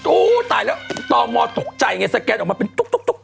โอ้ตายแล้วตอมมอร์ตกใจไงสแก๊สออกมาคุก